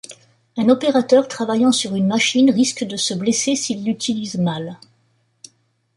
Un opérateur travaillant sur une machine risque de se blesser s’il l’utilise mal.